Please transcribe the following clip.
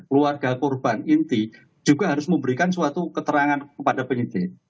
keluarga korban inti juga harus memberikan suatu keterangan kepada penyidik